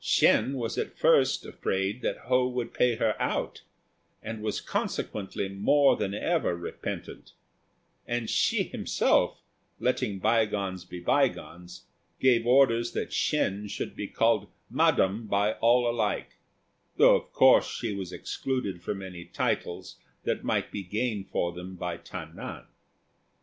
Shên was at first afraid that Ho would pay her out, and was consequently more than ever repentant; and Hsi himself, letting by gones be by gones, gave orders that Shên should be called madam by all alike, though of course she was excluded from any titles that might be gained for them by Ta nan.